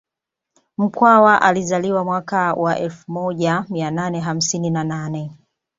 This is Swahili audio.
Mkwawa alizaliwa mwaka wa elfu moja mia nane hamsini na nane